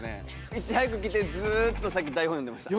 いち早く来てずーっと先に台本読んでました。